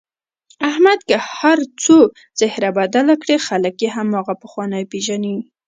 احمد که هرڅو څهره بدله کړي خلک یې هماغه پخوانی پېژني.